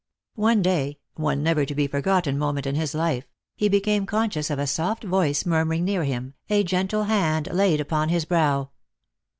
One day — one never to be forgotten moment in his life — he became conscious of a soft voice murmuring near him, a gentle hand laid upon his brow.